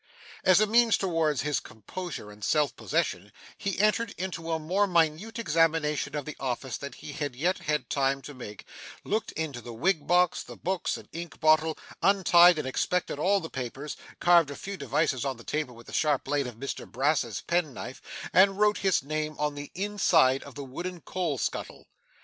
As a means towards his composure and self possession, he entered into a more minute examination of the office than he had yet had time to make; looked into the wig box, the books, and ink bottle; untied and inspected all the papers; carved a few devices on the table with a sharp blade of Mr Brass's penknife; and wrote his name on the inside of the wooden coal scuttle.